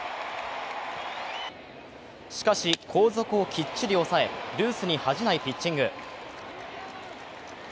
しかし後続をきっちり押さえ、ルースに恥じないピッチング。